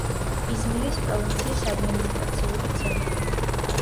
იზმირის პროვინციის ადმინისტრაციული ცენტრი.